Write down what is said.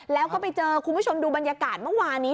แล้วก็ไปเจอคุณผู้ชมดูบรรยากาศเมื่อวานี้